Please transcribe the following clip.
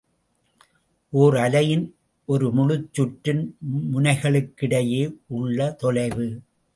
ஒர் அலையின் ஒரு முழுச் சுற்றின் முனைகளுக்கிடையே உள்ள தொலைவு.